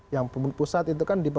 yang pusat itu kan